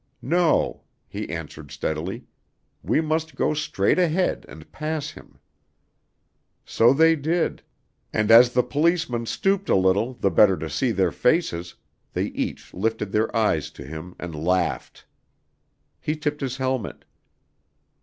"No," he answered steadily, "we must go straight ahead and pass him." So they did, and as the policeman stooped a little the better to see their faces, they each lifted their eyes to him and laughed. He tipped his helmet.